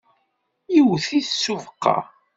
Yewwet-it s ubeqqa.